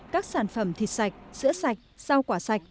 các sản phẩm thịt sạch sữa sạch rau quả sạch